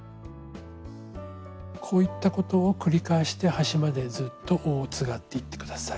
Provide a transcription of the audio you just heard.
こういったことを繰り返して端までずっと緒をつがっていって下さい。